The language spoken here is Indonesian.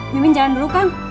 mimin jalan dulu kang